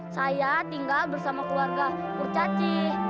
saya tinggal bersama keluarga kurcaci